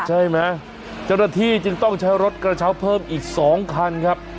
เจ้าหน้าที่จึงต้องใช้รถกระเช้าเพิ่มอีก๒คันครับ